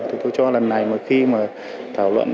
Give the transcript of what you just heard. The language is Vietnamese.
thì tôi cho lần này mà khi mà thảo luận